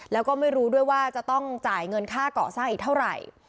แล้วก็ไม่รู้ด้วยว่าจะต้องจ่ายเงินค่าก่อสร้างอีกเท่าไหร่